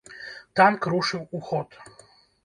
Танк рушыў у ход.